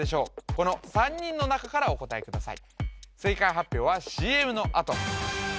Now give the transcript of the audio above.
この３人の中からお答えください